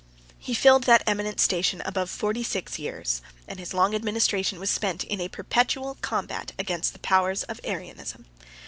He filled that eminent station above forty six years, and his long administration was spent in a perpetual combat against the powers of Arianism.